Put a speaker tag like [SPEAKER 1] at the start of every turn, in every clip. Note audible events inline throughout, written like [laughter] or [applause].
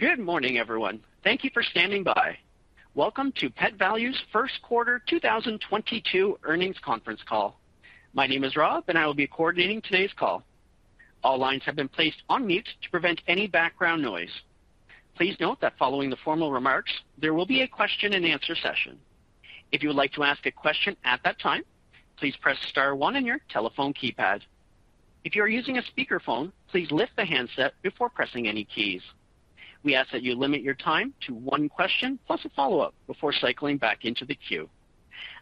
[SPEAKER 1] Good morning, everyone. Thank you for standing by. Welcome to Pet Valu's first quarter 2022 earnings conference call. My name is Rob, and I will be coordinating today's call. All lines have been placed on mute to prevent any background noise. Please note that following the formal remarks, there will be a question-and-answer session. If you would like to ask a question at that time, please press star one on your telephone keypad. If you are using a speakerphone, please lift the handset before pressing any keys. We ask that you limit your time to one question plus a follow-up before cycling back into the queue.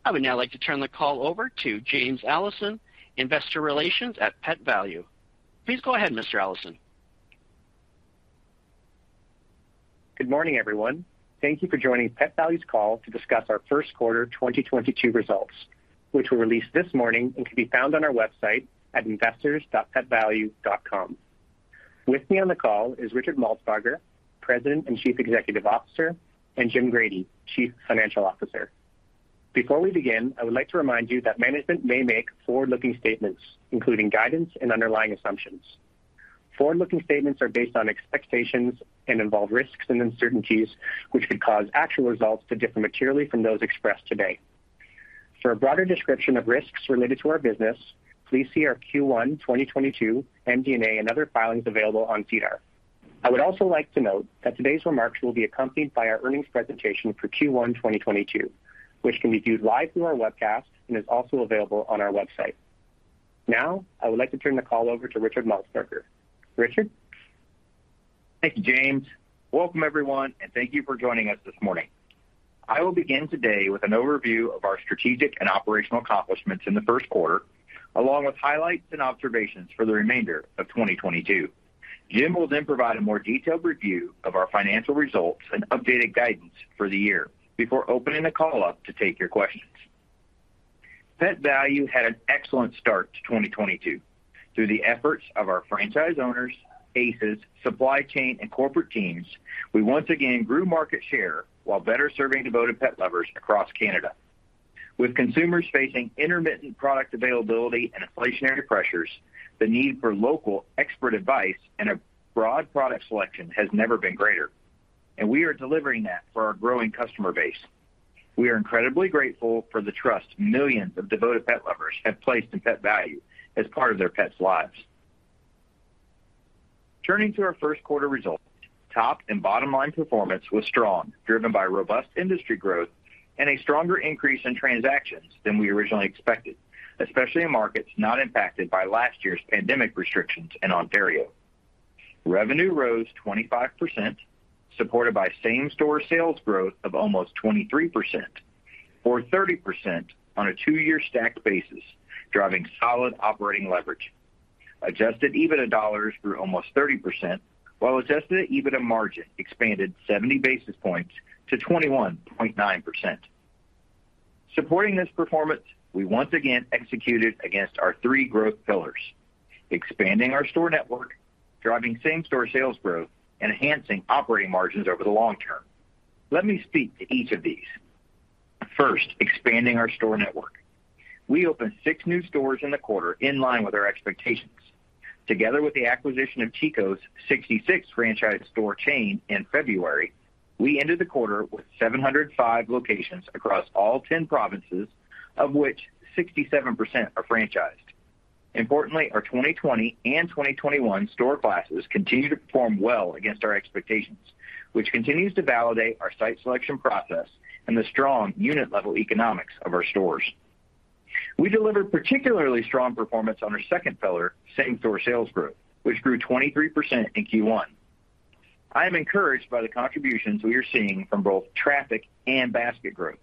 [SPEAKER 1] I would now like to turn the call over to James Allison, investor relations at Pet Valu. Please go ahead, Mr. Allison.
[SPEAKER 2] Good morning, everyone. Thank you for joining Pet Valu's call to discuss our first quarter 2022 results, which were released this morning and can be found on our website at investors.petvalu.com. With me on the call is Richard Maltsbarger, President and Chief Executive Officer, and Jim Grady, Chief Financial Officer. Before we begin, I would like to remind you that management may make forward-looking statements, including guidance and underlying assumptions. Forward-looking statements are based on expectations and involve risks and uncertainties which could cause actual results to differ materially from those expressed today. For a broader description of risks related to our business, please see our Q1 2022 MD&A and other filings available on SEDAR. I would also like to note that today's remarks will be accompanied by our earnings presentation for Q1 2022, which can be viewed live through our webcast and is also available on our website. Now, I would like to turn the call over to Richard Maltsbarger. Richard?
[SPEAKER 3] Thank you, James. Welcome, everyone, and thank you for joining us this morning. I will begin today with an overview of our strategic and operational accomplishments in the first quarter, along with highlights and observations for the remainder of 2022. Jim will then provide a more detailed review of our financial results and updated guidance for the year before opening the call up to take your questions. Pet Valu had an excellent start to 2022. Through the efforts of our franchise owners, ACEs, supply chain, and corporate teams, we once again grew market share while better serving devoted pet lovers across Canada. With consumers facing intermittent product availability and inflationary pressures, the need for local expert advice and a broad product selection has never been greater, and we are delivering that for our growing customer base. We are incredibly grateful for the trust millions of devoted pet lovers have placed in Pet Valu as part of their pets' lives. Turning to our first quarter results, top and bottom line performance was strong, driven by robust industry growth and a stronger increase in transactions than we originally expected, especially in markets not impacted by last year's pandemic restrictions in Ontario. Revenue rose 25%, supported by same-store sales growth of almost 23% or 30% on a two-year stacked basis, driving solid operating leverage. Adjusted EBITDA dollars grew almost 30%, while adjusted EBITDA margin expanded 70 basis points to 21.9%. Supporting this performance, we once again executed against our three growth pillars, expanding our store network, driving same-store sales growth, enhancing operating margins over the long term. Let me speak to each of these. First, expanding our store network. We opened six new stores in the quarter, in line with our expectations. Together with the acquisition of Chico 66 franchise store chain in February, we ended the quarter with 705 locations across all 10 provinces, of which 67% are franchised. Importantly, our 2020 and 2021 store classes continue to perform well against our expectations, which continues to validate our site selection process and the strong unit-level economics of our stores. We delivered particularly strong performance on our second pillar, same-store sales growth, which grew 23% in Q1. I am encouraged by the contributions we are seeing from both traffic and basket growth.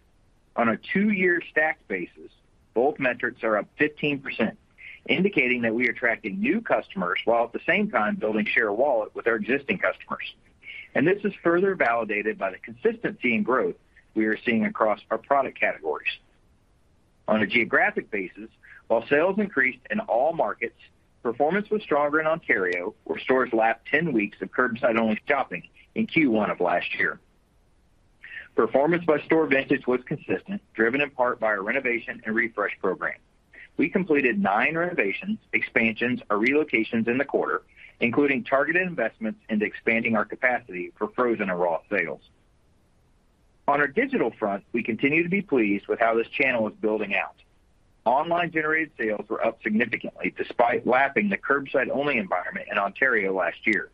[SPEAKER 3] On a two-year stacked basis, both metrics are up 15%, indicating that we are attracting new customers while at the same time building share of wallet with our existing customers. This is further validated by the consistency in growth we are seeing across our product categories. On a geographic basis, while sales increased in all markets, performance was stronger in Ontario, where stores lapped 10 weeks of curbside-only shopping in Q1 of last year. Performance by store vintage was consistent, driven in part by our renovation and refresh program. We completed nine renovations, expansions, or relocations in the quarter, including targeted investments into expanding our capacity for frozen and raw sales. On our digital front, we continue to be pleased with how this channel is building out. Online-generated sales were up significantly despite lapping the curbside-only environment in Ontario last year.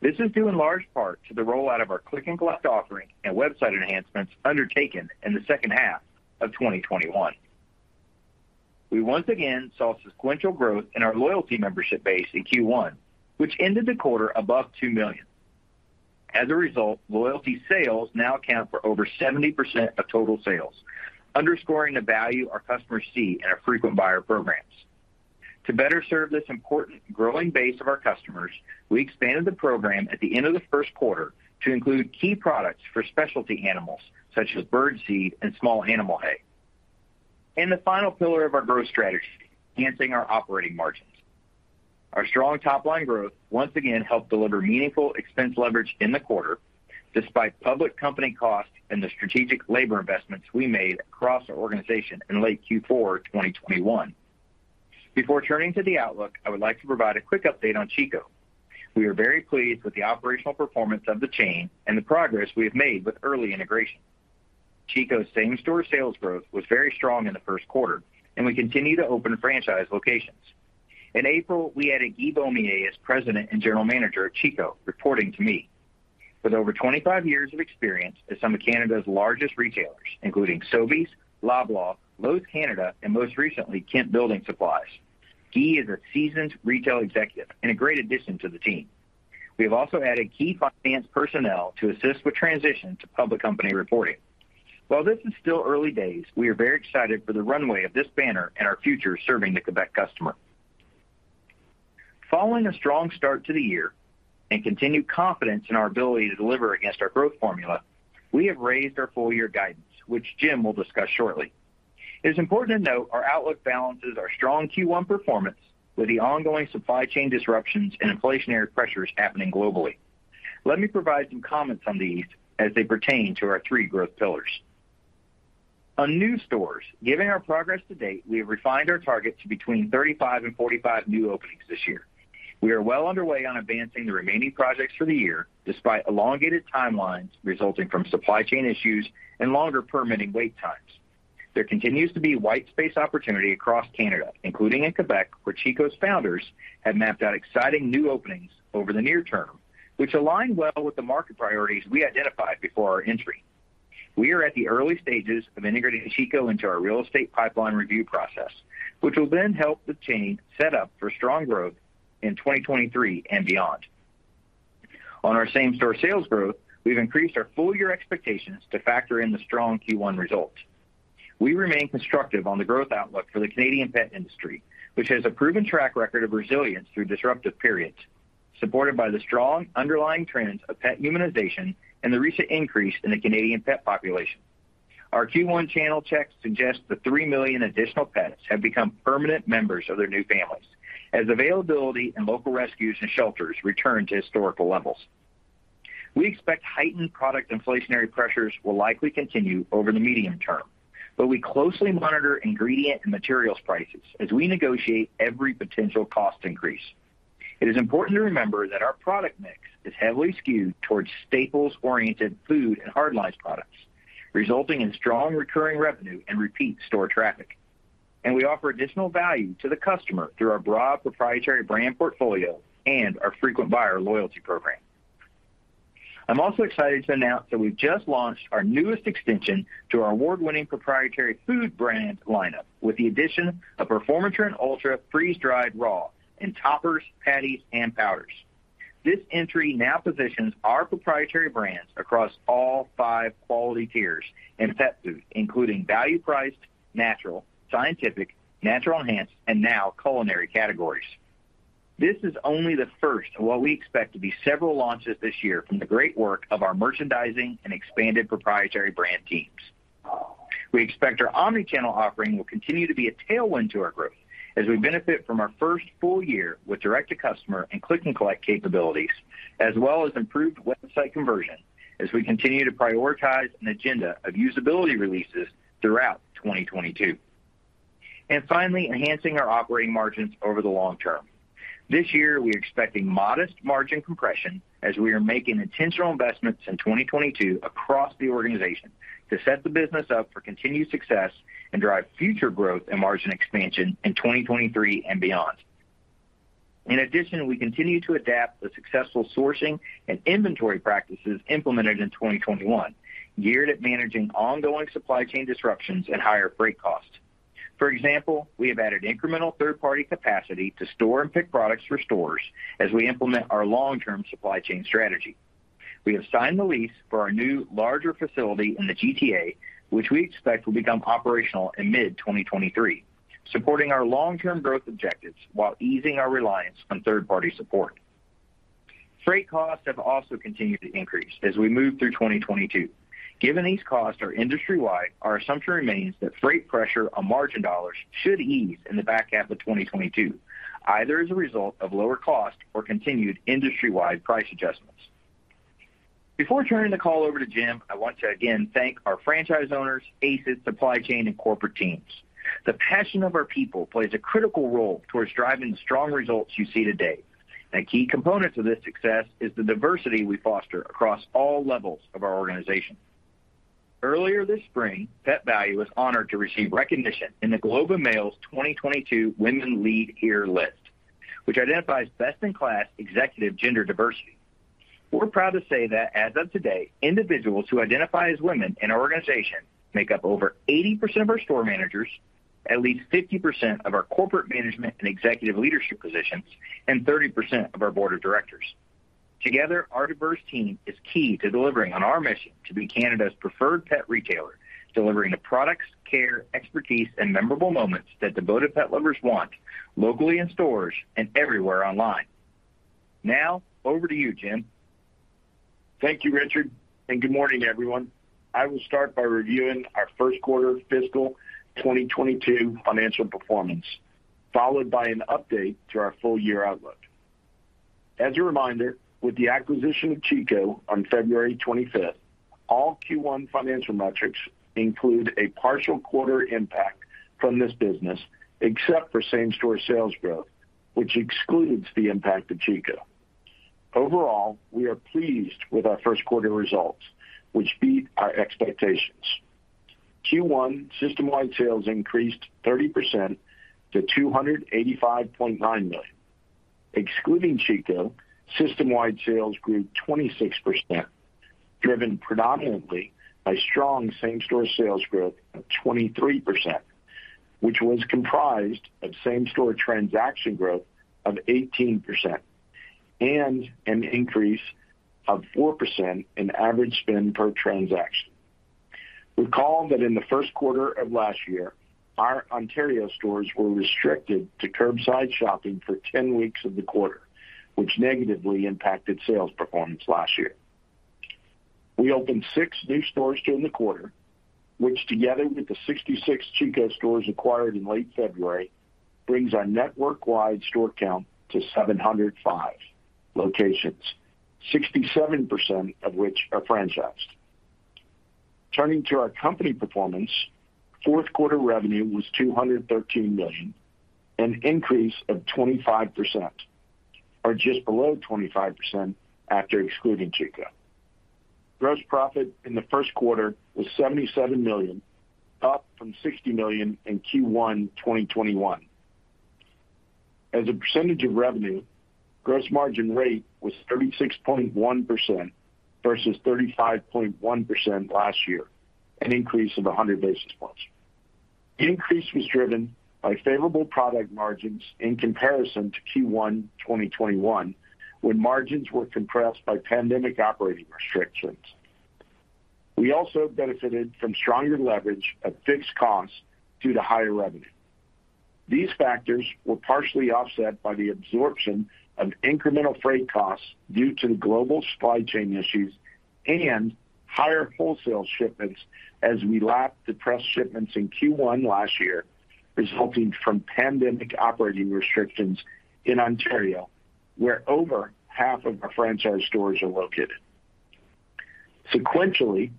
[SPEAKER 3] This is due in large part to the rollout of our Click & Collect offering and website enhancements undertaken in the second half of 2021. We once again saw sequential growth in our loyalty membership base in Q1, which ended the quarter above 2 million. As a result, loyalty sales now account for over 70% of total sales, underscoring the value our customers see in our frequent buyer programs. To better serve this important growing base of our customers, we expanded the program at the end of the first quarter to include key products for specialty animals such as bird seed and small animal hay. The final pillar of our growth strategy, enhancing our operating margins. Our strong top-line growth once again helped deliver meaningful expense leverage in the quarter, despite public company costs and the strategic labor investments we made across our organization in late Q4 2021. Before turning to the outlook, I would like to provide a quick update on Chico. We are very pleased with the operational performance of the chain and the progress we have made with early integration. Chico's same-store sales growth was very strong in the first quarter, and we continue to open franchise locations. In April, we added Guy Beaumier as President and General Manager of Chico, reporting to me. With over 25 years of experience at some of Canada's largest retailers, including Sobeys, Loblaw, Lowe's Canada, and most recently, Kent Building Supplies, Guy is a seasoned retail executive and a great addition to the team. We have also added key finance personnel to assist with transition to public company reporting. While this is still early days, we are very excited for the runway of this banner and our future serving the Quebec customer. Following a strong start to the year and continued confidence in our ability to deliver against our growth formula, we have raised our full year guidance, which Jim will discuss shortly. It is important to note our outlook balances our strong Q1 performance with the ongoing supply chain disruptions and inflationary pressures happening globally. Let me provide some comments on these as they pertain to our three growth pillars. On new stores, given our progress to date, we have refined our target to between 35 and 45 new openings this year. We are well underway on advancing the remaining projects for the year, despite elongated timelines resulting from supply chain issues and longer permitting wait times. There continues to be white space opportunity across Canada, including in Québec, where Chico's founders have mapped out exciting new openings over the near term, which align well with the market priorities we identified before our entry. We are at the early stages of integrating Chico into our real estate pipeline review process, which will then help the chain set up for strong growth in 2023 and beyond. On our same-store sales growth, we've increased our full year expectations to factor in the strong Q1 results. We remain constructive on the growth outlook for the Canadian pet industry, which has a proven track record of resilience through disruptive periods, supported by the strong underlying trends of pet humanization and the recent increase in the Canadian pet population. Our Q1 channel checks suggest that 3 million additional pets have become permanent members of their new families as availability in local rescues and shelters return to historical levels. We expect heightened product inflationary pressures will likely continue over the medium term, but we closely monitor ingredient and materials prices as we negotiate every potential cost increase. It is important to remember that our product mix is heavily skewed towards staples-oriented food and hard line products, resulting in strong recurring revenue and repeat store traffic. We offer additional value to the customer through our broad proprietary brand portfolio and our frequent buyer loyalty program. I'm also excited to announce that we've just launched our newest extension to our award-winning proprietary food brand lineup with the addition of Performatrin Ultra Freeze-Dried Raw in toppers, patties, and powders. This entry now positions our proprietary brands across all five quality tiers in pet food, including value-priced, natural, scientific, natural enhanced, and now culinary categories. This is only the first of what we expect to be several launches this year from the great work of our merchandising and expanded proprietary brand teams. We expect our omni-channel offering will continue to be a tailwind to our growth as we benefit from our first full year with direct-to-customer and Click & Collect capabilities, as well as improved website conversion as we continue to prioritize an agenda of usability releases throughout 2022. Finally, enhancing our operating margins over the long term. This year, we're expecting modest margin compression as we are making intentional investments in 2022 across the organization to set the business up for continued success and drive future growth and margin expansion in 2023 and beyond. In addition, we continue to adapt the successful sourcing and inventory practices implemented in 2021, geared at managing ongoing supply chain disruptions and higher freight costs. For example, we have added incremental third-party capacity to store and pick products for stores as we implement our long-term supply chain strategy. We have signed the lease for our new, larger facility in the GTA, which we expect will become operational in mid-2023, supporting our long-term growth objectives while easing our reliance on third-party support. Freight costs have also continued to increase as we move through 2022. Given these costs are industry-wide, our assumption remains that freight pressure on margin dollars should ease in the back half of 2022, either as a result of lower cost or continued industry-wide price adjustments. Before turning the call over to Jim, I want to again thank our franchise owners, ACEs, supply chain, and corporate teams. The passion of our people plays a critical role towards driving the strong results you see today. A key component to this success is the diversity we foster across all levels of our organization. Earlier this spring, Pet Valu was honored to receive recognition in The Globe and Mail's 2022 Women Lead Here list, which identifies best-in-class executive gender diversity. We're proud to say that as of today, individuals who identify as women in our organization make up over 80% of our store managers, at least 50% of our corporate management and executive leadership positions, and 30% of our board of directors. Together, our diverse team is key to delivering on our mission to be Canada's preferred pet retailer, delivering the products, care, expertise, and memorable moments that devoted pet lovers want locally in stores and everywhere online. Now, over to you, Jim.
[SPEAKER 4] Thank you, Richard, and good morning, everyone. I will start by reviewing our first quarter fiscal 2022 financial performance, followed by an update to our full year outlook. As a reminder, with the acquisition of Chico on February 25, all Q1 financial metrics include a partial quarter impact from this business, except for same-store sales growth, which excludes the impact of Chico. Overall, we are pleased with our first quarter results, which beat our expectations. Q1 system-wide sales increased 30% to 285.9 million. Excluding Chico, system-wide sales grew 26%, driven predominantly by strong same-store sales growth of 23%, which was comprised of same-store transaction growth of 18% and an increase of 4% in average spend per transaction. Recall that in the first quarter of last year, our Ontario stores were restricted to curbside shopping for 10 weeks of the quarter, which negatively impacted sales performance last year. We opened 6 new stores during the quarter, which together with the 66 Chico stores acquired in late February, brings our network-wide store count to 705 locations, 67% of which are franchised. Turning to our company performance, first quarter revenue was 213 million, an increase of 25%, or just below 25% after excluding Chico. Gross profit in the first quarter was 77 million, up from 60 million in Q1 2021. As a percentage of revenue, gross margin rate was 36.1% versus 35.1% last year, an increase of 100 basis points. The increase was driven by favorable product margins in comparison to Q1 2021, when margins were compressed by pandemic operating restrictions. We also benefited from stronger leverage of fixed costs due to higher revenue. These factors were partially offset by the absorption of incremental freight costs due to global supply chain issues and higher wholesale shipments as we lapped depressed shipments in Q1 last year, resulting from pandemic operating restrictions in Ontario, where over half of our franchise stores are located. Sequentially,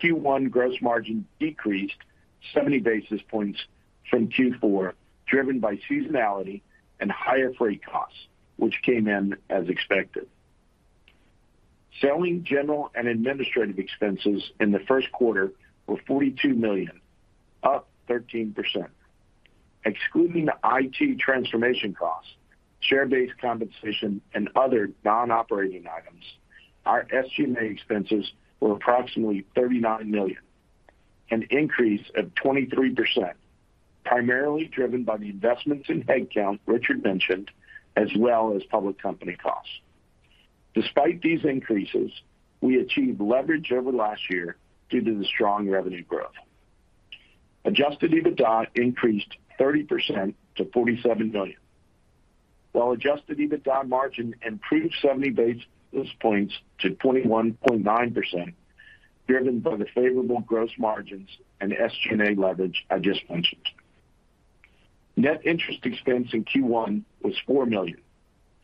[SPEAKER 4] Q1 gross margin decreased 70 basis points from Q4, driven by seasonality and higher freight costs, which came in as expected. Selling, general and administrative expenses in the first quarter were 42 million, up 13%. Excluding the IT transformation costs, share-based compensation and other non-operating items, our SG&A expenses were approximately 39 million, an increase of 23%, primarily driven by the investments in headcount Richard mentioned, as well as public company costs. Despite these increases, we achieved leverage over last year due to the strong revenue growth. Adjusted EBITDA increased 30% to 47 million, while adjusted EBITDA margin improved 70 basis points to 21.9%, driven by the favorable gross margins and SG&A leverage I just mentioned. Net interest expense in Q1 was 4 million,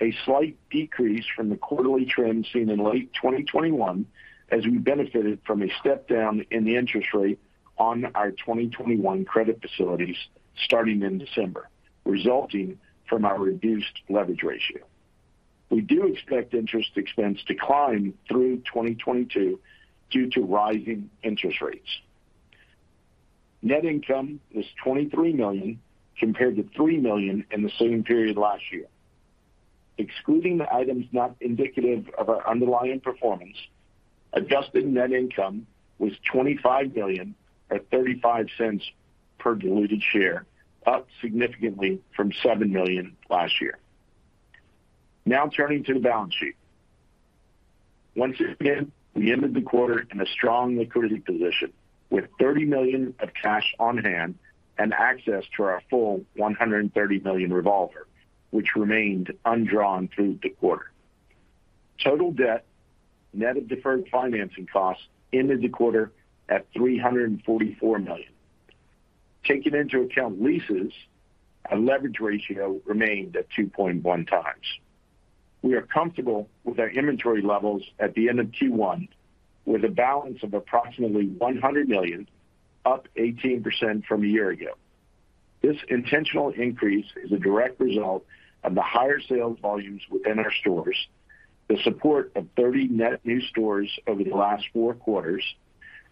[SPEAKER 4] a slight decrease from the quarterly trend seen in late 2021, as we benefited from a step down in the interest rate on our 2021 credit facilities starting in December, resulting from our reduced leverage ratio. We do expect interest expense to climb through 2022 due to rising interest rates. Net income was 23 million, compared to 3 million in the same period last year. Excluding the items not indicative of our underlying performance, adjusted net income was 25 million or 0.35 per diluted share, up significantly from 7 million last year. Now turning to the balance sheet. Once again, we ended the quarter in a strong liquidity position with 30 million of cash on hand and access to our full 130 million revolver, which remained undrawn through the quarter. Total debt, net of deferred financing costs, ended the quarter at 344 million. Taking into account leases, our leverage ratio remained at 2.1 times. We are comfortable with our inventory levels at the end of Q1 with a balance of approximately 100 million, up 18% from a year ago. This intentional increase is a direct result of the higher sales volumes within our stores, the support of 30 net new stores over the last four quarters,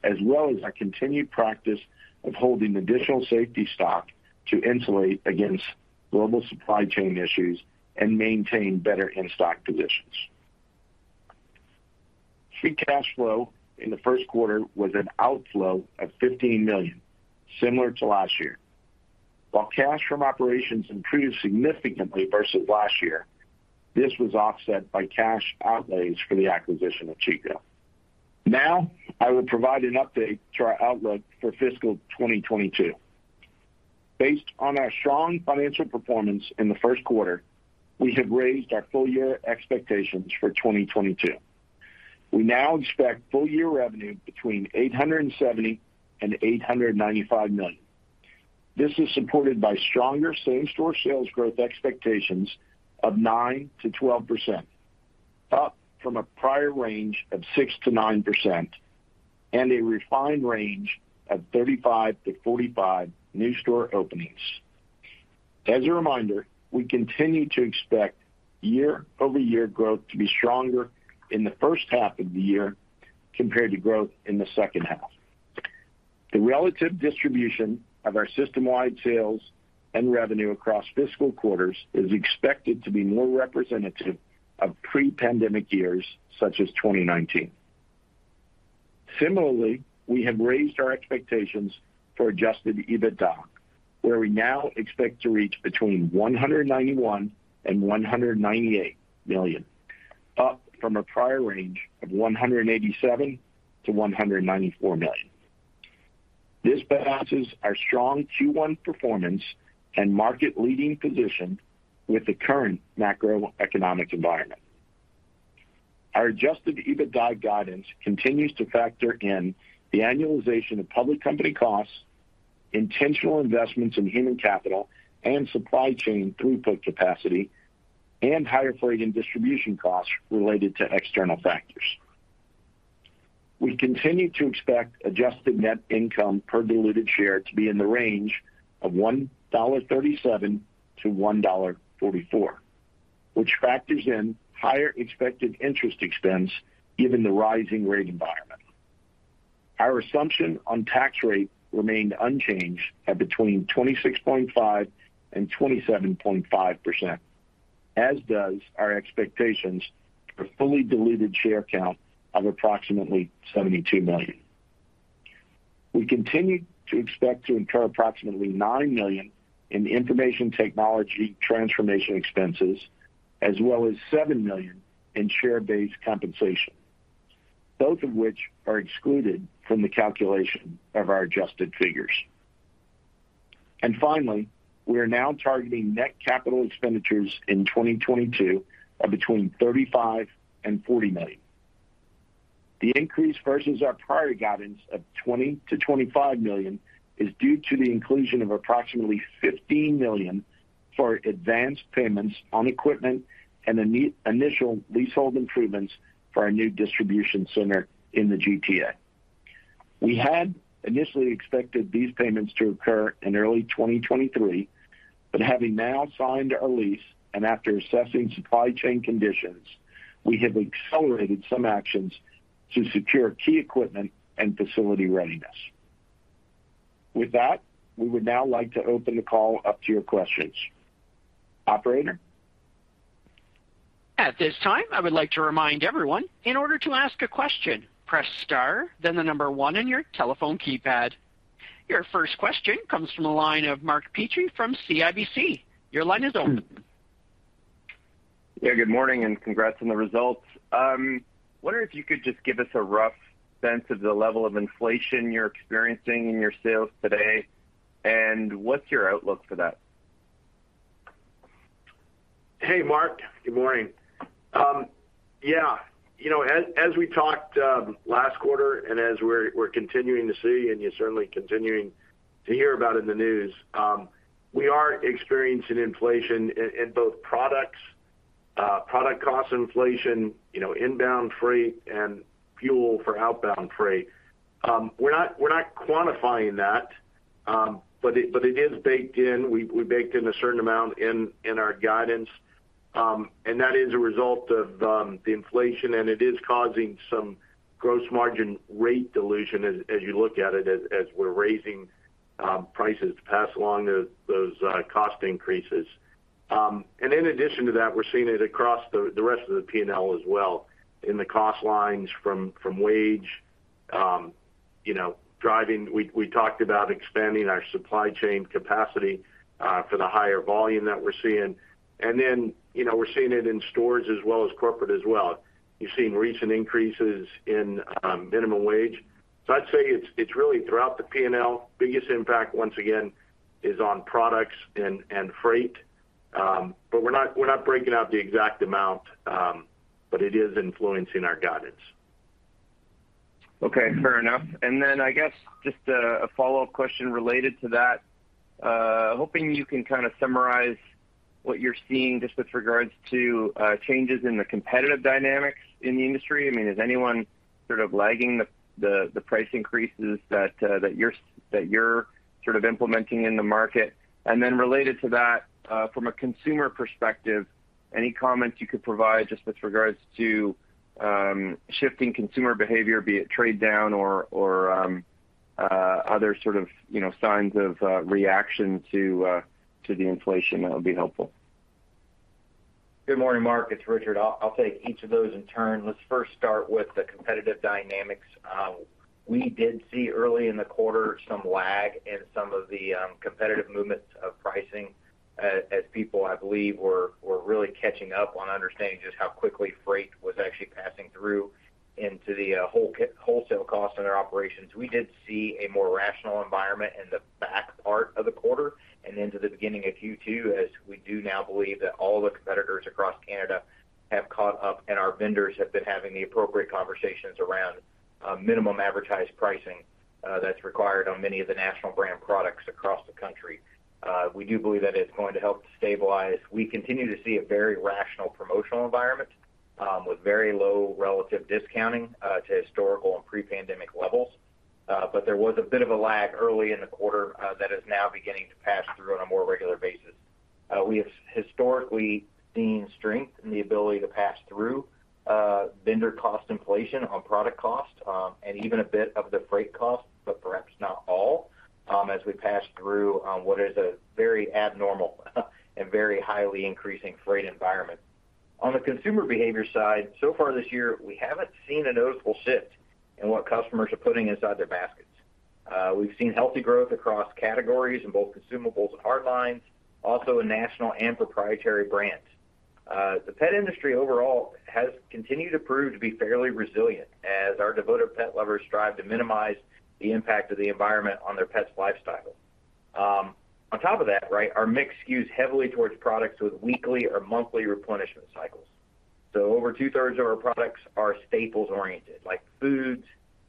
[SPEAKER 4] as well as our continued practice of holding additional safety stock to insulate against global supply chain issues and maintain better in-stock positions. Free cash flow in the first quarter was an outflow of 15 million, similar to last year. While cash from operations improved significantly versus last year, this was offset by cash outlays for the acquisition of Chico. Now, I will provide an update to our outlook for fiscal 2022. Based on our strong financial performance in the first quarter, we have raised our full year expectations for 2022. We now expect full year revenue between 870 million and 895 million. This is supported by stronger same-store sales growth expectations of 9%-12%, up from a prior range of 6%-9%, and a refined range of 35-45 new store openings. As a reminder, we continue to expect year-over-year growth to be stronger in the first half of the year compared to growth in the second half. The relative distribution of our system-wide sales and revenue across fiscal quarters is expected to be more representative of pre-pandemic years such as 2019. Similarly, we have raised our expectations for adjusted EBITDA, where we now expect to reach between 191 million and 198 million, up from a prior range of 187 million to 194 million. This balances our strong Q1 performance and market-leading position with the current macroeconomic environment. Our adjusted EBITDA guidance continues to factor in the annualization of public company costs, intentional investments in human capital and supply chain throughput capacity, and higher freight and distribution costs related to external factors. We continue to expect adjusted net income per diluted share to be in the range of 1.37-1.44 dollar, which factors in higher expected interest expense given the rising rate environment. Our assumption on tax rate remained unchanged at between 26.5% and 27.5%, as does our expectations for fully diluted share count of approximately 72 million. We continue to expect to incur approximately 9 million in information technology transformation expenses, as well as 7 million in share-based compensation, both of which are excluded from the calculation of our adjusted figures. Finally, we are now targeting net capital expenditures in 2022 of between 35 million and 40 million. The increase versus our prior guidance of 20 million-25 million is due to the inclusion of approximately 15 million for advanced payments on equipment and initial leasehold improvements for our new distribution center in the GTA. We had initially expected these payments to occur in early 2023, but having now signed our lease and after assessing supply chain conditions, we have accelerated some actions to secure key equipment and facility readiness. With that, we would now like to open the call up to your questions. Operator?
[SPEAKER 1] At this time, I would like to remind everyone, in order to ask a question, press star then 1 on your telephone keypad. Your first question comes from the line of Mark Petrie from CIBC. Your line is open.
[SPEAKER 5] Yeah, good morning, and congrats on the results. Wonder if you could just give us a rough sense of the level of inflation you're experiencing in your sales today, and what's your outlook for that?
[SPEAKER 4] Hey, Mark. Good morning. You know, as we talked last quarter and as we're continuing to see and you're certainly continuing to hear about in the news, we are experiencing inflation in both products, product cost inflation, you know, inbound freight and fuel for outbound freight. We're not quantifying that, but it is baked in. We baked in a certain amount in our guidance, and that is a result of the inflation, and it is causing some gross margin rate dilution as you look at it, as we're raising prices to pass along those cost increases. In addition to that, we're seeing it across the rest of the P&L as well in the cost lines from wage, you know, we talked about expanding our supply chain capacity for the higher volume that we're seeing. You know, we're seeing it in stores as well as corporate as well. You're seeing recent increases in minimum wage. I'd say it's really throughout the P&L. Biggest impact, once again, is on products and freight. We're not breaking out the exact amount, but it is influencing our guidance.
[SPEAKER 5] Okay, fair enough. I guess just a follow-up question related to that. Hoping you can kind of summarize what you're seeing just with regards to changes in the competitive dynamics in the industry. I mean, is anyone sort of lagging the price increases that you're sort of implementing in the market? Related to that, from a consumer perspective, any comments you could provide just with regards to shifting consumer behavior, be it trade down or other sort of, you know, signs of reaction to the inflation, that would be helpful.
[SPEAKER 3] Good morning, Mark. It's Richard. I'll take each of those in turn. Let's first start with the competitive dynamics. We did see early in the quarter some lag in some of the competitive movements of pricing, as people, I believe, were really catching up on understanding just how quickly freight was actually passing through into the wholesale cost in our operations. We did see a more rational environment in the back part of the quarter and into the beginning of Q2, as we do now believe that all the competitors across Canada have caught up and our vendors have been having the appropriate conversations around A minimum advertised pricing, that's required on many of the national brand products across the country. We do believe that it's going to help to stabilize. We continue to see a very rational promotional environment, with very low relative discounting, to historical and pre-pandemic levels. There was a bit of a lag early in the quarter, that is now beginning to pass through on a more regular basis. We have historically seen strength in the ability to pass through, vendor cost inflation on product costs, and even a bit of the freight costs, but perhaps not all, as we pass through, what is a very abnormal and very highly increasing freight environment. On the consumer behavior side, so far this year, we haven't seen a noticeable shift in what customers are putting inside their baskets. We've seen healthy growth across categories in both consumables and hard lines, also in national and proprietary brands. The pet industry overall has continued to prove to be fairly resilient as our devoted pet lovers strive to minimize the impact of the environment on their pet's lifestyle. On top of that, right, our mix skews heavily towards products with weekly or monthly replenishment cycles. Over two-thirds of our products are staples-oriented, like foods,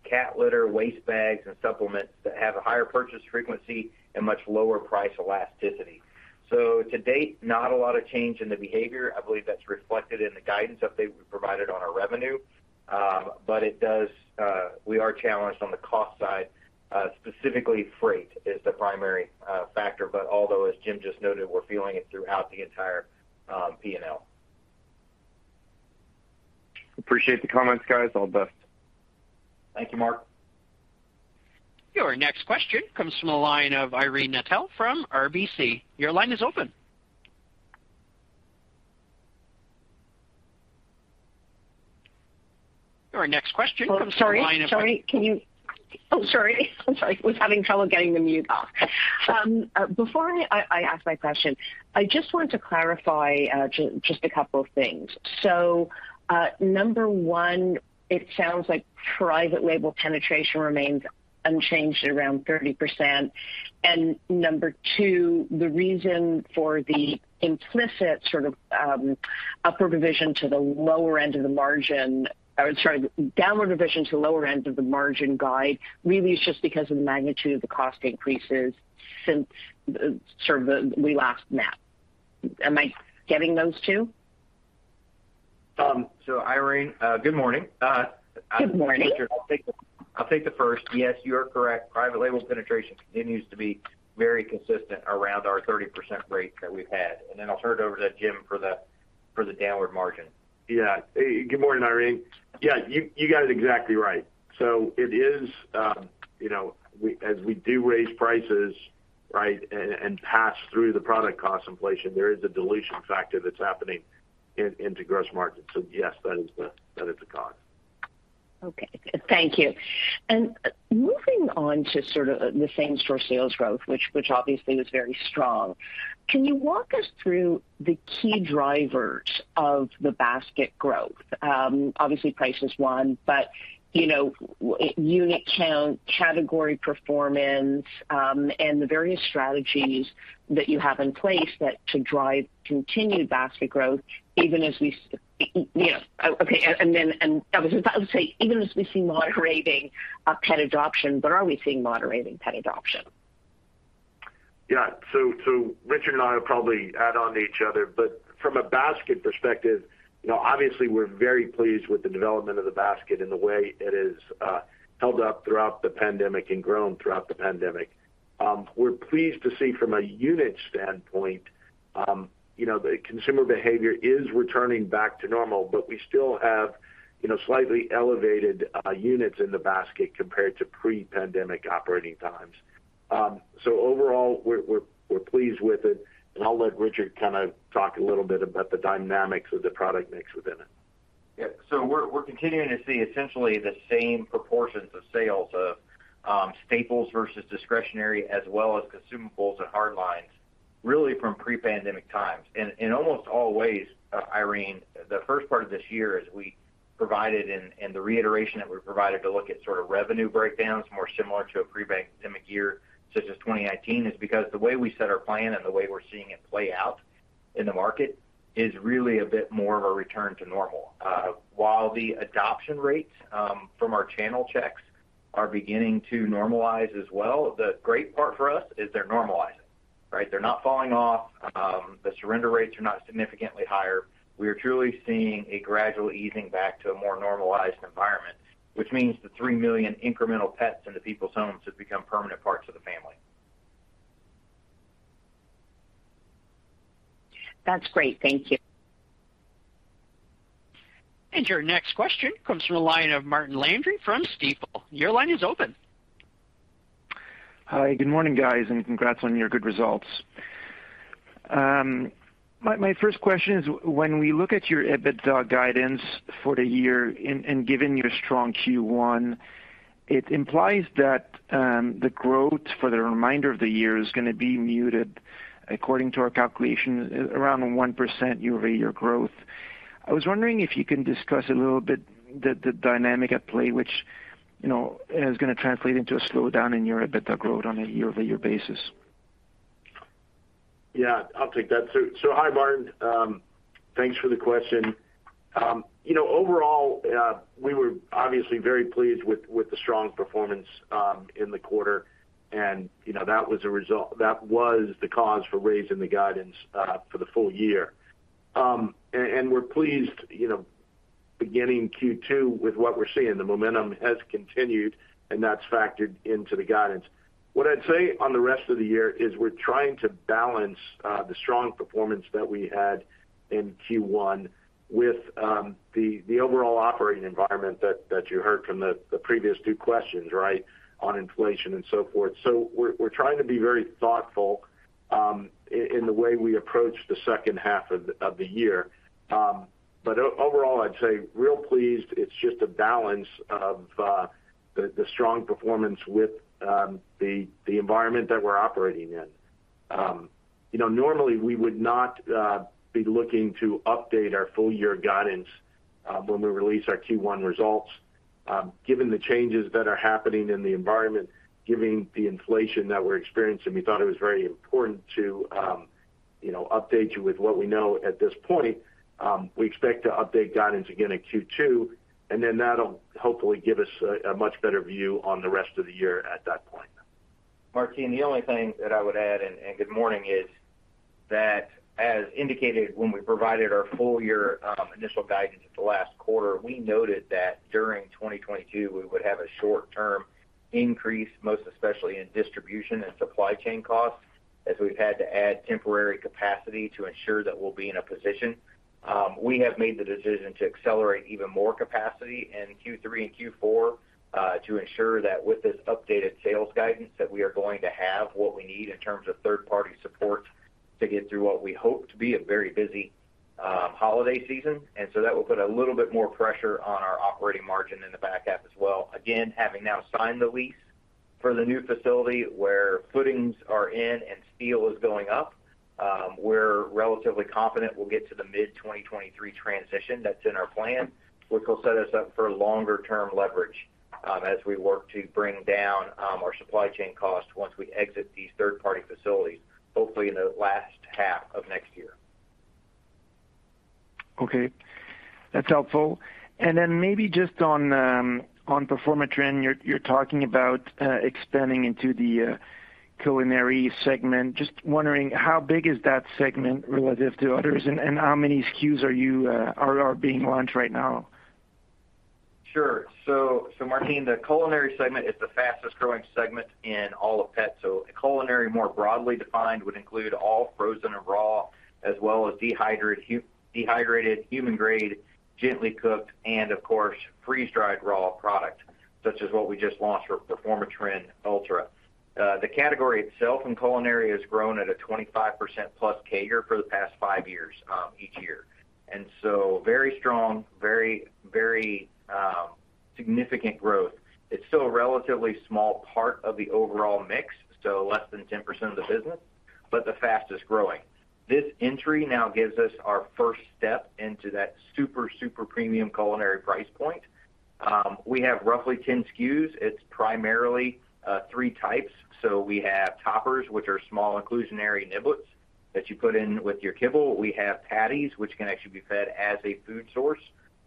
[SPEAKER 3] cat litter, waste bags, and supplements that have a higher purchase frequency and much lower price elasticity. To date, not a lot of change in the behavior. I believe that's reflected in the guidance update we provided on our revenue. We are challenged on the cost side, specifically freight is the primary factor. Although, as Jim just noted, we're feeling it throughout the entire P&L.
[SPEAKER 5] Appreciate the comments, guys. All the best.
[SPEAKER 3] Thank you, Mark.
[SPEAKER 1] Your next question comes from the line of Irene Nattel from RBC. Your line is open. Your next question [crosstalk] comes from the [crosstalk] line of-
[SPEAKER 6] Sorry. I'm sorry. I was having trouble getting the mute off. Before I ask my question, I just want to clarify just a couple of things. Number one, it sounds like private label penetration remains unchanged at around 30%. Number two, the reason for the implicit sort of downward division to the lower end of the margin guide really is just because of the magnitude of the cost increases since we last met. Am I getting those two?
[SPEAKER 3] Irene, good morning.
[SPEAKER 6] Good morning.
[SPEAKER 3] I'll take the first. Yes, you are correct. Private label penetration continues to be very consistent around our 30% rate that we've had. Then I'll turn it over to Jim for the downward margin.
[SPEAKER 4] Yeah. Good morning, Irene. Yeah, you got it exactly right. It is, you know, as we do raise prices, right, and pass through the product cost inflation, there is a dilution factor that's happening into gross margin. Yes, that is the cause.
[SPEAKER 6] Okay. Thank you. Moving on to sort of the same-store sales growth, which obviously was very strong. Can you walk us through the key drivers of the basket growth? Obviously price is one, but you know, unit count, category performance, and the various strategies that you have in place to drive continued basket growth, even as we, you know. Okay. I was about to say, even as we see moderating pet adoption, but are we seeing moderating pet adoption?
[SPEAKER 4] Richard and I will probably add on to each other. From a basket perspective, you know, obviously, we're very pleased with the development of the basket and the way it has held up throughout the pandemic and grown throughout the pandemic. We're pleased to see from a unit standpoint, you know, the consumer behavior is returning back to normal, but we still have, you know, slightly elevated units in the basket compared to pre-pandemic operating times. Overall, we're pleased with it. I'll let Richard kind of talk a little bit about the dynamics of the product mix within it.
[SPEAKER 3] Yeah. We're continuing to see essentially the same proportions of sales of staples versus discretionary, as well as consumables and hard lines, really from pre-pandemic times. In almost all ways, Irene, the first part of this year, as we provided and the reiteration that we provided to look at sort of revenue breakdowns more similar to a pre-pandemic year, such as 2019, is because the way we set our plan and the way we're seeing it play out in the market is really a bit more of a return to normal. While the adoption rates from our channel checks are beginning to normalize as well, the great part for us is they're normalizing, right? They're not falling off. The surrender rates are not significantly higher. We are truly seeing a gradual easing back to a more normalized environment, which means the 3 million incremental pets into people's homes have become permanent parts of the family.
[SPEAKER 6] That's great. Thank you.
[SPEAKER 1] Your next question comes from the line of Martin Landry from Stifel. Your line is open.
[SPEAKER 7] Hi, good morning, guys, and congrats on your good results. My first question is, when we look at your EBITDA guidance for the year and given your strong Q1, it implies that the growth for the remainder of the year is gonna be muted, according to our calculation, around 1% year-over-year growth. I was wondering if you can discuss a little bit the dynamic at play, which, you know, is gonna translate into a slowdown in your EBITDA growth on a year-over-year basis.
[SPEAKER 4] Yeah, I'll take that. Hi, Martin. Thanks for the question. You know, overall, we were obviously very pleased with the strong performance in the quarter, and you know, that was the cause for raising the guidance for the full year. We're pleased, you know, beginning Q2 with what we're seeing. The momentum has continued, and that's factored into the guidance. What I'd say on the rest of the year is we're trying to balance the strong performance that we had in Q1 with the overall operating environment that you heard from the previous two questions, right, on inflation and so forth. We're trying to be very thoughtful in the way we approach the second half of the year. Overall, I'd say real pleased. It's just a balance of the strong performance with the environment that we're operating in. You know, normally we would not be looking to update our full year guidance when we release our Q1 results. Given the changes that are happening in the environment, given the inflation that we're experiencing, we thought it was very important to you know, update you with what we know at this point. We expect to update guidance again in Q2, and then that'll hopefully give us a much better view on the rest of the year at that point.
[SPEAKER 3] Martin, the only thing that I would add, and good morning, is that as indicated when we provided our full year initial guidance at the last quarter, we noted that during 2022 we would have a short term increase, most especially in distribution and supply chain costs, as we've had to add temporary capacity to ensure that we'll be in a position. We have made the decision to accelerate even more capacity in Q3 and Q4 to ensure that with this updated sales guidance, that we are going to have what we need in terms of third-party support to get through what we hope to be a very busy holiday season. That will put a little bit more pressure on our operating margin in the back half as well. Again, having now signed the lease for the new facility where footings are in and steel is going up, we're relatively confident we'll get to the mid-2023 transition that's in our plan, which will set us up for longer term leverage, as we work to bring down our supply chain costs once we exit these third-party facilities, hopefully in the last half of next year.
[SPEAKER 7] Okay, that's helpful. Maybe just on Performatrin, you're talking about expanding into the culinary segment. Just wondering how big is that segment relative to others and how many SKUs are being launched right now?
[SPEAKER 3] Sure. Martin, the culinary segment is the fastest growing segment in all of pet. Culinary, more broadly defined, would include all frozen and raw as well as dehydrated, human grade, gently cooked and of course freeze-dried raw product such as what we just launched for Performatrin Ultra. The category itself in culinary has grown at a 25%+ CAGR for the past five years, each year, and so very significant growth. It's still a relatively small part of the overall mix, so less than 10% of the business, but the fastest growing. This entry now gives us our first step into that super premium culinary price point. We have roughly 10 SKUs. It's primarily three types. We have toppers, which are small inclusionary niblets that you put in with your kibble. We have patties which can actually be fed as a food source,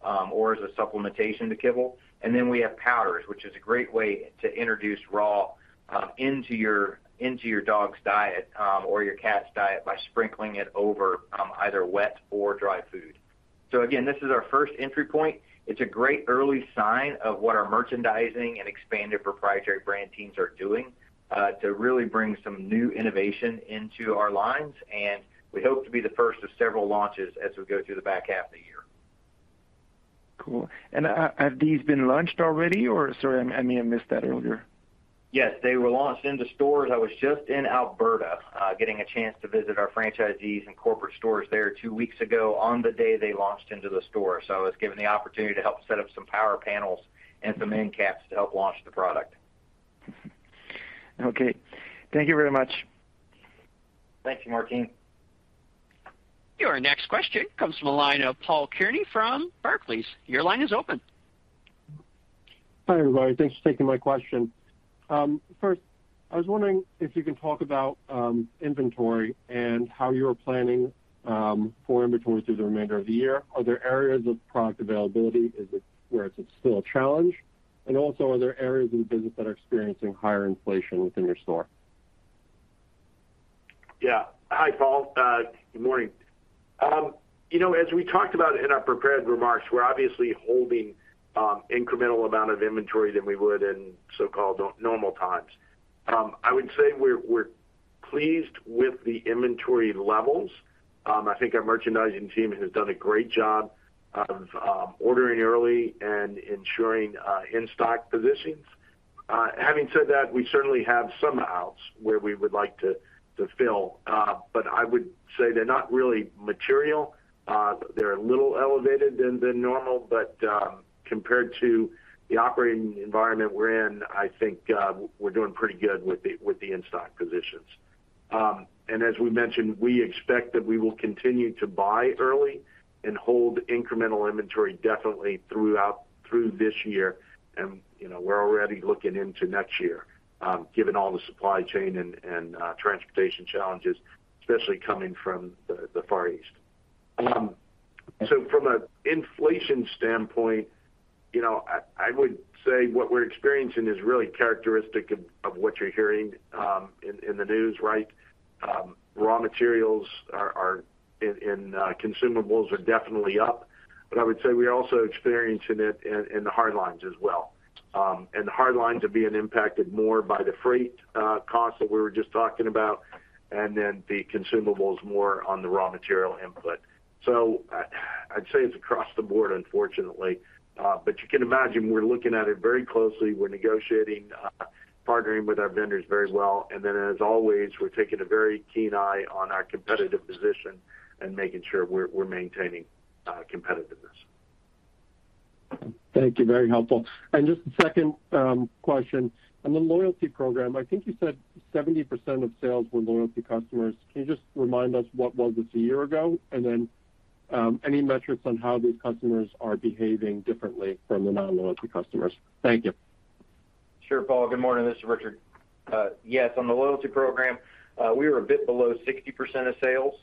[SPEAKER 3] or as a supplementation to kibble. We have powders, which is a great way to introduce raw into your dog's diet, or your cat's diet by sprinkling it over either wet or dry food. Again, this is our first entry point. It's a great early sign of what our merchandising and expanded proprietary brand teams are doing to really bring some new innovation into our lines, and we hope to be the first of several launches as we go through the back half of the year.
[SPEAKER 7] Cool. Have these been launched already or? Sorry, I may have missed that earlier.
[SPEAKER 3] Yes, they were launched into stores. I was just in Alberta, getting a chance to visit our franchisees and corporate stores there two weeks ago on the day they launched into the store. I was given the opportunity to help set up some power panels and some end caps to help launch the product.
[SPEAKER 7] Okay. Thank you very much.
[SPEAKER 3] Thank you, Martin.
[SPEAKER 1] Your next question comes from the line of Paul Kearney from Barclays. Your line is open.
[SPEAKER 8] Hi, everybody. Thanks for taking my question. First, I was wondering if you can talk about inventory and how you're planning for inventory through the remainder of the year. Are there areas of product availability? Is it where it's still a challenge? Also, are there areas of the business that are experiencing higher inflation within your store?
[SPEAKER 4] Yeah. Hi, Paul. Good morning. You know, as we talked about in our prepared remarks, we're obviously holding incremental amount of inventory than we would in so-called normal times. I would say we're pleased with the inventory levels. I think our merchandising team has done a great job of ordering early and ensuring in-stock positions. Having said that, we certainly have some outs where we would like to fill. But I would say they're not really material. They're a little elevated than normal, but compared to the operating environment we're in, I think we're doing pretty good with the in-stock positions. As we mentioned, we expect that we will continue to buy early and hold incremental inventory definitely through this year. You know, we're already looking into next year, given all the supply chain and transportation challenges, especially coming from the Far East. From an inflation standpoint, you know, I would say what we're experiencing is really characteristic of what you're hearing in the news, right? Raw materials and consumables are definitely up. I would say we're also experiencing it in the hard lines as well. The hard lines are being impacted more by the freight costs that we were just talking about, and then the consumables more on the raw material input. I'd say it's across the board, unfortunately. You can imagine we're looking at it very closely. We're negotiating and partnering with our vendors very well. As always, we're keeping a very keen eye on our competitive position and making sure we're maintaining competitiveness.
[SPEAKER 8] Thank you. Very helpful. Just a second question. On the loyalty program, I think you said 70% of sales were loyalty customers. Can you just remind us what was this a year ago? Then, any metrics on how these customers are behaving differently from the non-loyalty customers? Thank you.
[SPEAKER 3] Sure, Paul. Good morning. This is Richard. Yes, on the loyalty program, we were a bit below 60% of sales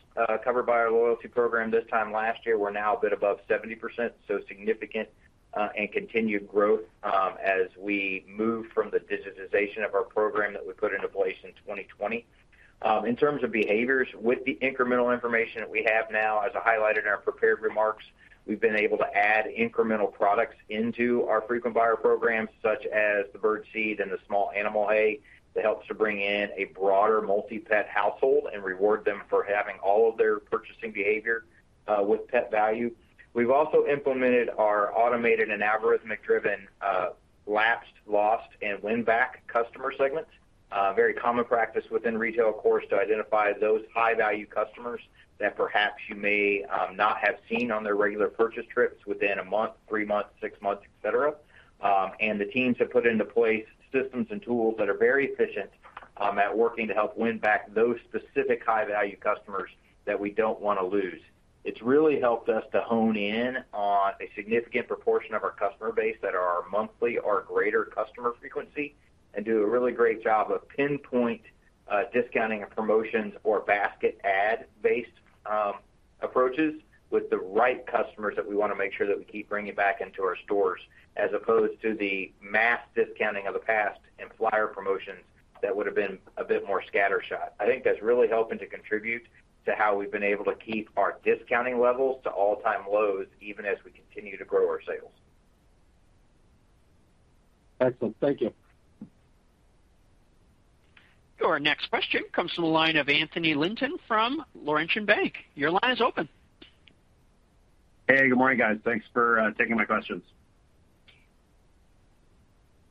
[SPEAKER 3] covered by our loyalty program this time last year. We're now a bit above 70%, so significant and continued growth as we move from the digitization of our program that we put into place in 2020. In terms of behaviors, with the incremental information that we have now, as I highlighted in our prepared remarks, we've been able to add incremental products into our frequent buyer programs, such as the bird seed and the small animal hay that helps to bring in a broader multi-pet household and reward them for having all of their purchasing behavior with Pet Valu. We've also implemented our automated and algorithmic driven lapsed, lost, and win back customer segments. Very common practice within retail, of course, to identify those high value customers that perhaps you may not have seen on their regular purchase trips within a month, three months, six months, et cetera. The teams have put into place systems and tools that are very efficient at working to help win back those specific high value customers that we don't wanna lose. It's really helped us to hone in on a significant proportion of our customer base that are our monthly or greater customer frequency and do a really great job of pinpoint discounting of promotions or basket add based approaches with the right customers that we wanna make sure that we keep bringing back into our stores, as opposed to the mass discounting of the past and flyer promotions that would have been a bit more scattershot. I think that's really helping to contribute to how we've been able to keep our discounting levels to all-time lows, even as we continue to grow our sales.
[SPEAKER 8] Excellent. Thank you.
[SPEAKER 1] Your next question comes from the line of Anthony Linton from Laurentian Bank. Your line is open.
[SPEAKER 9] Hey, good morning, guys. Thanks for taking my questions.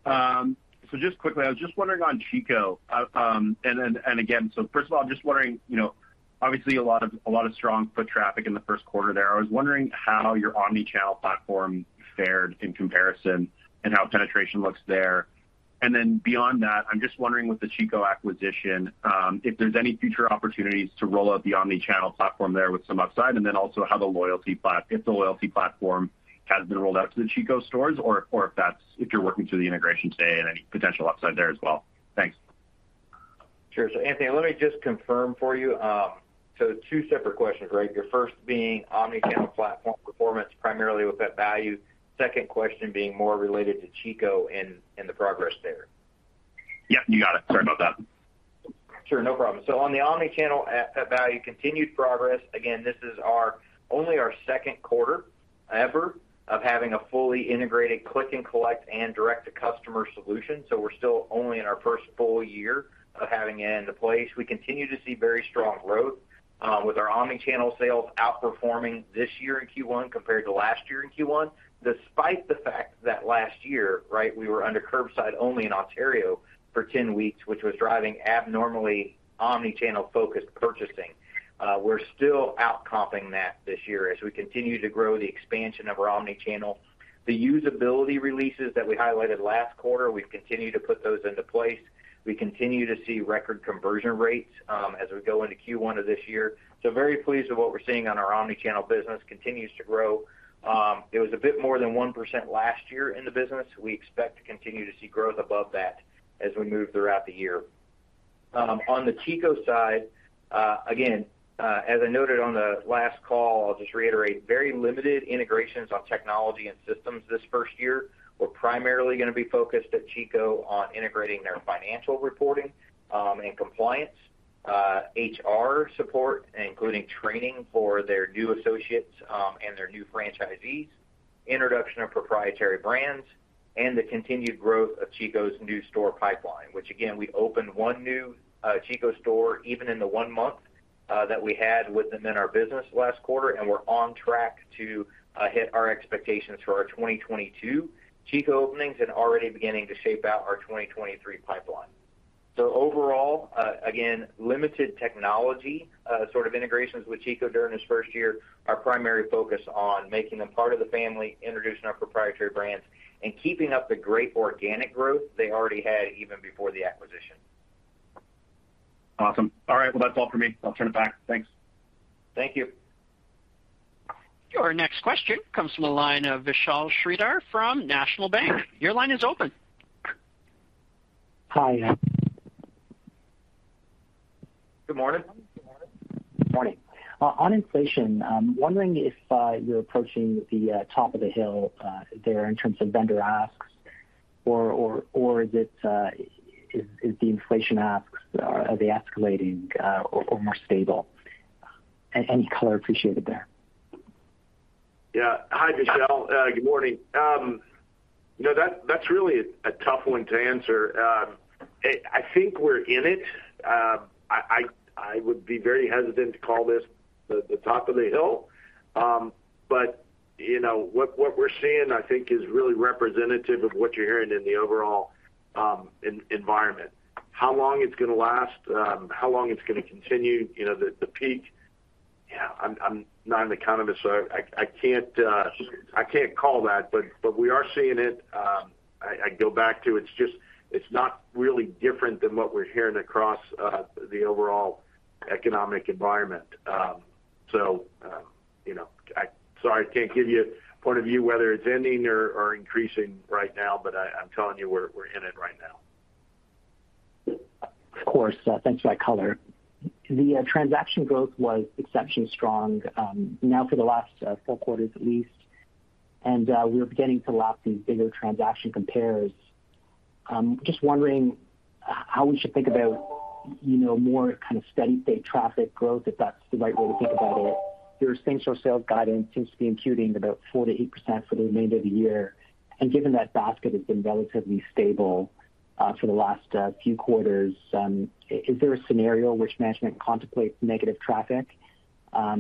[SPEAKER 9] So just quickly, I was just wondering on Chico, and again, so first of all, I'm just wondering, you know, obviously a lot of strong foot traffic in the first quarter there. I was wondering how your omni-channel platform fared in comparison and how penetration looks there. Beyond that, I'm just wondering with the Chico acquisition, if there's any future opportunities to roll out the omni-channel platform there with some upside, and then also how the loyalty platform has been rolled out to the Chico stores or if you're working through the integration today and any potential upside there as well. Thanks.
[SPEAKER 3] Sure. Anthony, let me just confirm for you. Two separate questions, right? Your first being omni-channel platform performance primarily with Pet Valu. Second question being more related to Chico and the progress there.
[SPEAKER 9] Yep, you got it. Sorry about that.
[SPEAKER 3] Sure, no problem. On the omni-channel at Pet Valu, continued progress. Again, this is only our second quarter ever of having a fully integrated Click & Collect and direct to customer solution. We're still only in our first full year of having it into place. We continue to see very strong growth with our omni-channel sales outperforming this year in Q1 compared to last year in Q1, despite the fact that last year, right, we were under curbside only in Ontario for 10 weeks, which was driving abnormally omni-channel focused purchasing. We're still out comping that this year as we continue to grow the expansion of our omni-channel. The usability releases that we highlighted last quarter, we've continued to put those into place. We continue to see record conversion rates as we go into Q1 of this year. Very pleased with what we're seeing on our omni-channel business continues to grow. It was a bit more than 1% last year in the business. We expect to continue to see growth above that as we move throughout the year. On the Chico side, again, as I noted on the last call, I'll just reiterate very limited integrations on technology and systems this first year. We're primarily gonna be focused at Chico on integrating their financial reporting, and compliance, HR support, including training for their new associates, and their new franchisees, introduction of proprietary brands, and the continued growth of Chico's new store pipeline, which again, we opened one new Chico store even in the one month that we had with them in our business last quarter, and we're on track to hit our expectations for our 2022 Chico openings and already beginning to shape out our 2023 pipeline. Overall, again, limited technology sort of integrations with Chico during this first year. Our primary focus on making them part of the family, introducing our proprietary brands, and keeping up the great organic growth they already had even before the acquisition.
[SPEAKER 9] Awesome. All right. Well, that's all for me. I'll turn it back. Thanks.
[SPEAKER 3] Thank you.
[SPEAKER 1] Your next question comes from the line of Vishal Shreedhar from National Bank. Your line is open.
[SPEAKER 10] Hi.
[SPEAKER 4] Good morning.
[SPEAKER 10] Morning. On inflation, I'm wondering if you're approaching the top of the hill there in terms of vendor asks or is it, is the inflation asks, are they escalating or more stable? Any color appreciated there.
[SPEAKER 4] Yeah. Hi, Vishal. Good morning. No, that's really a tough one to answer. I think we're in it. I would be very hesitant to call this the top of the hill. You know, what we're seeing, I think, is really representative of what you're hearing in the overall environment. How long it's gonna last, how long it's gonna continue, you know, the peak, you know, I'm not an economist, so I can't call that, but we are seeing it. I go back to it's just not really different than what we're hearing across the overall economic environment. Sorry, I can't give you a point of view whether it's ending or increasing right now, but I'm telling you we're in it right now.
[SPEAKER 10] Of course. Thanks for that color. The transaction growth was exceptionally strong now for the last four quarters at least, and we're beginning to lap these bigger transaction compares. Just wondering how we should think about, you know, more kind of steady state traffic growth, if that's the right way to think about it. Your same-store sales guidance seems to be imputing about 4%-8% for the remainder of the year. Given that basket has been relatively stable for the last few quarters, is there a scenario in which management contemplates negative traffic? How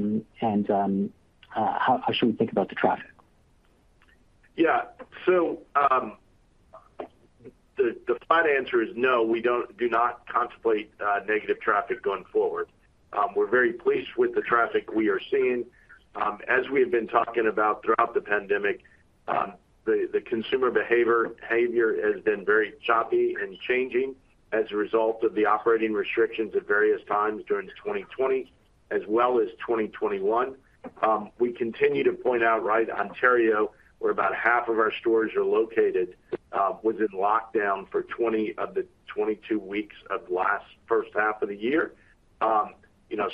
[SPEAKER 10] should we think about the traffic?
[SPEAKER 4] The flat answer is no, we do not contemplate negative traffic going forward. We're very pleased with the traffic we are seeing. As we have been talking about throughout the pandemic, the consumer behavior has been very choppy and changing as a result of the operating restrictions at various times during 2020 as well as 2021. We continue to point out, right, Ontario, where about half of our stores are located, was in lockdown for 20 of the 22 weeks of the first half of last year. You know,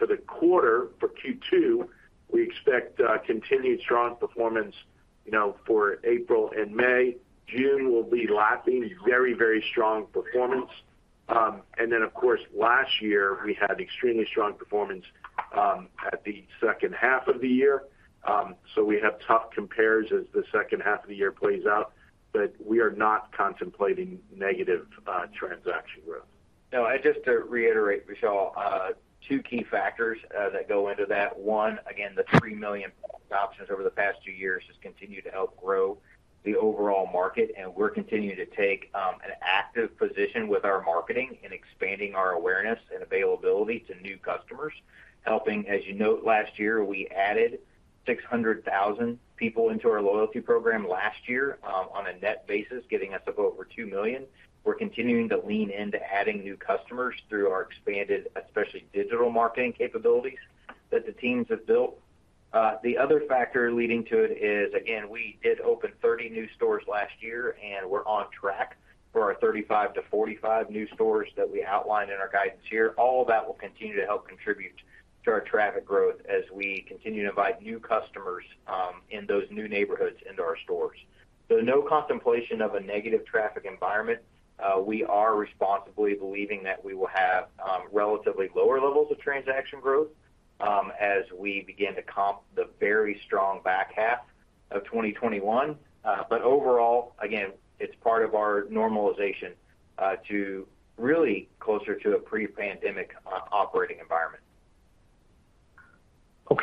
[SPEAKER 4] for the quarter, for Q2, we expect continued strong performance, you know, for April and May. June will be lapping very strong performance. Of course, last year, we had extremely strong performance at the second half of the year. We have tough compares as the second half of the year plays out, but we are not contemplating negative transaction growth.
[SPEAKER 3] No, just to reiterate, Vishal, two key factors that go into that. One, again, the 3 million options over the past 2 years has continued to help grow the overall market, and we're continuing to take an active position with our marketing in expanding our awareness and availability to new customers. As you note, last year, we added 600,000 people into our loyalty program on a net basis, getting us above 2 million. We're continuing to lean into adding new customers through our expanded, especially digital marketing capabilities that the teams have built. The other factor leading to it is, again, we did open 30 new stores last year, and we're on track for our 35-45 new stores that we outlined in our guidance here. All that will continue to help contribute to our traffic growth as we continue to invite new customers in those new neighborhoods into our stores. No contemplation of a negative traffic environment. We are responsibly believing that we will have relatively lower levels of transaction growth as we begin to comp the very strong back half of 2021. Overall, again, it's part of our normalization to really closer to a pre-pandemic operating environment.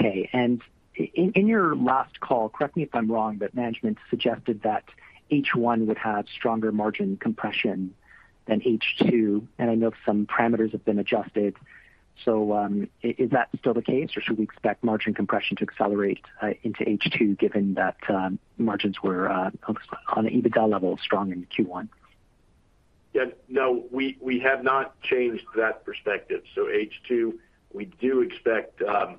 [SPEAKER 10] Okay. In your last call, correct me if I'm wrong, but management suggested that H1 would have stronger margin compression than H2, and I know some parameters have been adjusted. Is that still the case, or should we expect margin compression to accelerate into H2 given that margins were on an EBITDA level strong in Q1?
[SPEAKER 4] Yeah. No, we have not changed that perspective. H2, we do expect, you know,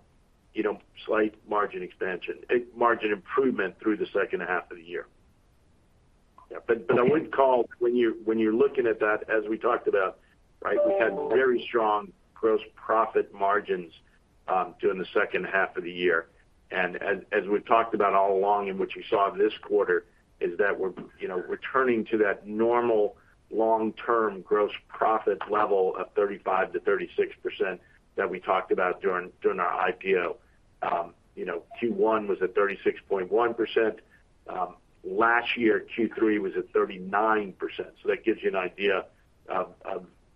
[SPEAKER 4] slight margin expansion, margin improvement through the second half of the year.
[SPEAKER 3] Yeah.
[SPEAKER 4] When you're looking at that, as we talked about, right, we had very strong gross profit margins during the second half of the year. As we've talked about all along and what you saw this quarter is that we're, you know, returning to that normal long-term gross profit level of 35%-36% that we talked about during our IPO. You know, Q1 was at 36.1%. Last year, Q3 was at 39%. That gives you an idea of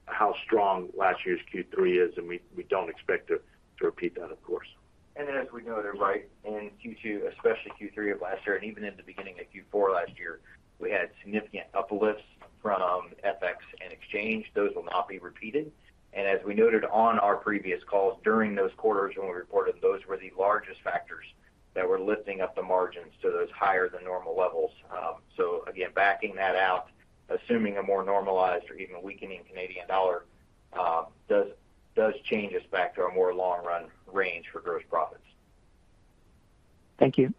[SPEAKER 4] how strong last year's Q3 is, and we don't expect to repeat that, of course.
[SPEAKER 3] As we noted, right, in Q2, especially Q3 of last year and even in the beginning of Q4 last year, we had significant uplifts from FX and exchange. Those will not be repeated. As we noted on our previous calls during those quarters when we reported, those were the largest factors that were lifting up the margins to those higher than normal levels. Again, backing that out, assuming a more normalized or even weakening Canadian dollar, does change us back to a more long-run range for gross profits.
[SPEAKER 10] Thank you.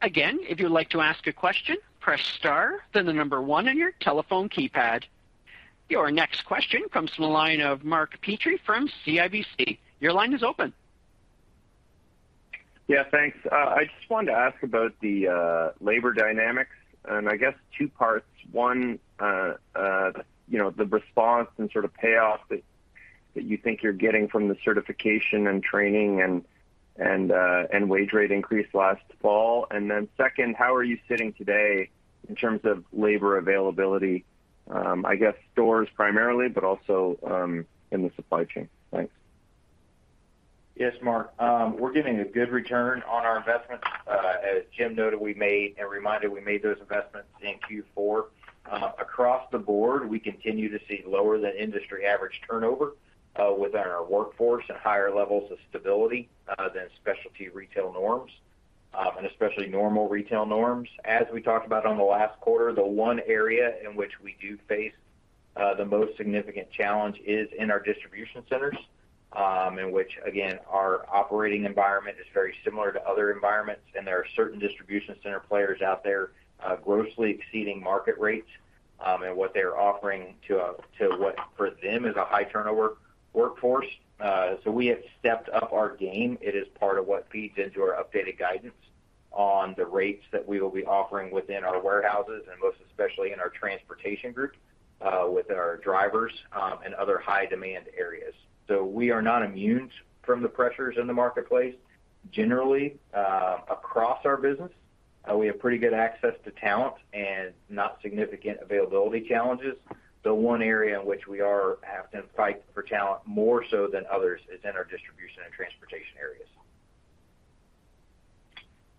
[SPEAKER 1] Again, if you'd like to ask a question, press star, then the number one on your telephone keypad. Your next question comes from the line of Mark Petrie from CIBC. Your line is open.
[SPEAKER 5] Yeah, thanks. I just wanted to ask about the labor dynamics, and I guess two parts. One, you know, the response and sort of payoff that you think you're getting from the certification and training and wage rate increase last fall. Second, how are you sitting today in terms of labor availability? I guess stores primarily, but also in the supply chain. Thanks.
[SPEAKER 3] Yes, Mark. We're getting a good return on our investment. As Jim noted, we made those investments in Q4. Across the board, we continue to see lower than industry average turnover within our workforce and higher levels of stability than specialty retail norms, and especially normal retail norms. As we talked about in the last quarter, the one area in which we do face the most significant challenge is in our distribution centers, in which again, our operating environment is very similar to other environments, and there are certain distribution center players out there, grossly exceeding market rates, in what they're offering to what for them is a high turnover workforce. We have stepped up our game. It is part of what feeds into our updated guidance on the rates that we will be offering within our warehouses and most especially in our transportation group, with our drivers, and other high demand areas. We are not immune from the pressures in the marketplace. Generally, across our business, we have pretty good access to talent and not significant availability challenges. The one area in which we have to fight for talent more so than others is in our distribution and transportation areas.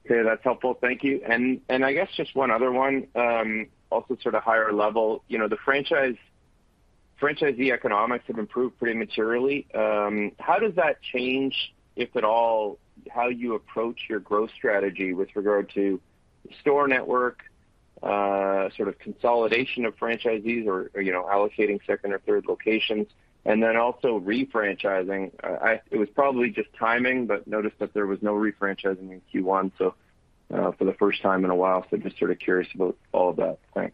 [SPEAKER 5] Okay, that's helpful. Thank you. I guess just one other one, also sort of higher level. You know, the franchisee economics have improved pretty materially. How does that change, if at all, how you approach your growth strategy with regard to store network, sort of consolidation of franchisees or, you know, allocating second or third locations, and then also refranchising? It was probably just timing, but I noticed that there was no refranchising in Q1, so for the first time in a while. Just sort of curious about all of that. Thanks.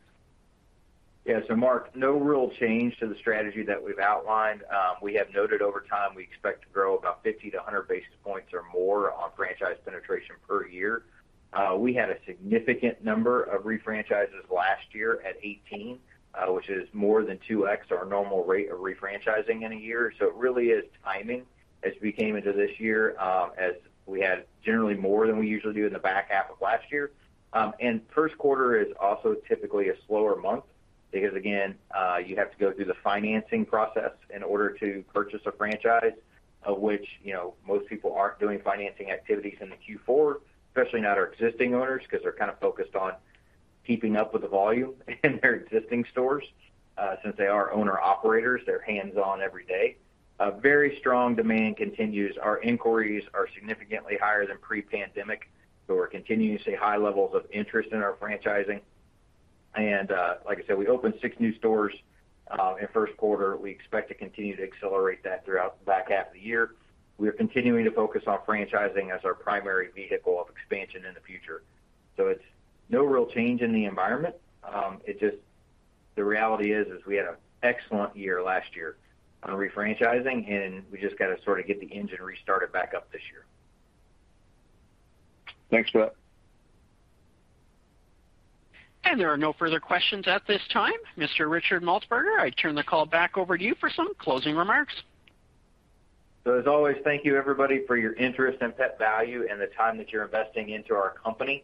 [SPEAKER 3] Yeah. Mark, no real change to the strategy that we've outlined. We have noted over time, we expect to grow about 50-100 basis points or more on franchise penetration per year. We had a significant number of refranchises last year at 18, which is more than 2x our normal rate of refranchising in a year. It really is timing as we came into this year, as we had generally more than we usually do in the back half of last year. First quarter is also typically a slower month because again, you have to go through the financing process in order to purchase a franchise, of which, you know, most people aren't doing financing activities in the Q4, especially not our existing owners, 'cause they're kind of focused on keeping up with the volume in their existing stores. Since they are owner-operators, they're hands-on every day. A very strong demand continues. Our inquiries are significantly higher than pre-pandemic, so we're continuing to see high levels of interest in our franchising. Like I said, we opened six new stores in first quarter. We expect to continue to accelerate that throughout the back half of the year. We are continuing to focus on franchising as our primary vehicle of expansion in the future. It's no real change in the environment. The reality is, we had an excellent year last year on refranchising, and we just gotta sort of get the engine restarted back up this year.
[SPEAKER 5] Thanks for that.
[SPEAKER 1] There are no further questions at this time. Mr. Richard Maltsbarger, I turn the call back over to you for some closing remarks.
[SPEAKER 3] As always, thank you everybody for your interest in Pet Valu and the time that you're investing into our company,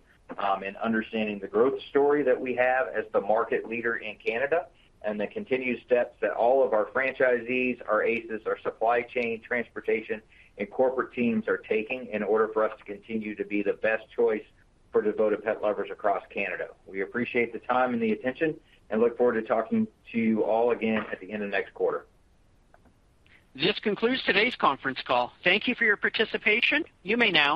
[SPEAKER 3] in understanding the growth story that we have as the market leader in Canada and the continued steps that all of our franchisees, our ACES, our supply chain, transportation, and corporate teams are taking in order for us to continue to be the best choice for devoted pet lovers across Canada. We appreciate the time and the attention, and look forward to talking to you all again at the end of next quarter.
[SPEAKER 1] This concludes today's conference call. Thank you for your participation. You may now disconnect.